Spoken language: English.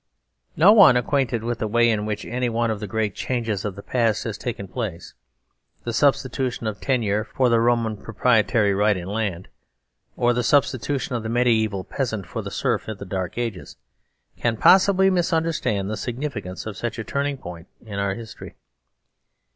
No one acquainted with the way in which any one of the great changes of the past has taken place, the substitution of tenure for the Roman proprietary right in land.orthesubstitution of the mediaeval peas ant for the serf of the Dark Ages, can possibly mis understand the significance of such a turning point in our history.